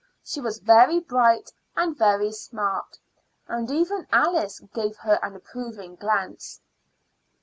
She was very bright and very smart, and even Alice gave her an approving glance.